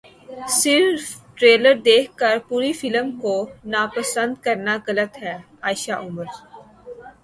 صرف ٹریلر دیکھ کر پوری فلم کو ناپسند کرنا غلط ہے عائشہ عمر